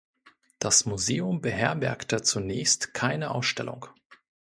Das Museum beherbergte zunächst keine Ausstellung.